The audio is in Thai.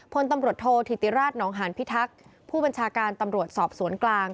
พลตำรวจโทษธิติราชนองหานพิทักษ์ผู้บัญชาการตำรวจสอบสวนกลาง